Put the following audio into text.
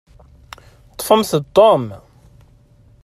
Ṭṭfemt-d Tom.